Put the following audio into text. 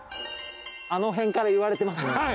あのへんから言われてますね。